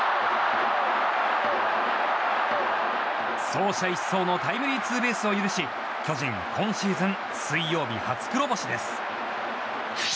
走者一掃のタイムリーツーベースを許し巨人、今シーズン水曜日初黒星です。